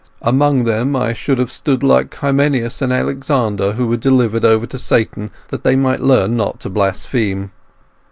Among them I should have stood like Hymenaeus and Alexander, who were delivered over to Satan that they might learn not to blaspheme.